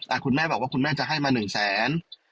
คุณแม่บอกว่าคุณแม่จะให้มาหนึ่งแสน